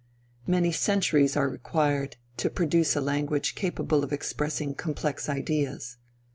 Many centuries are required to produce a language capable of expressing complex ideas.